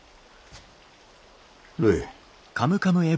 るい？